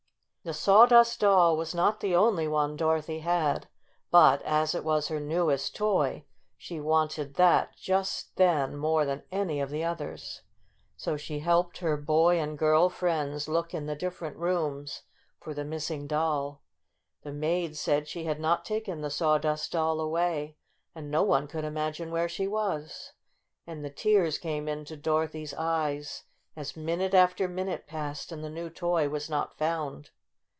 The Sawdust Doll was not the only one Dorothy had, but as it was her newest toy she wanted that just then more than any of the others. So she helped her boy and girl friends look in the different rooms for the missing doll. The maid said she had not taken the Sawdust Doll away, and no one could imagine where she was. And the tears came into Dorothy's eyes as min ute after minute passed and the new toy was not found.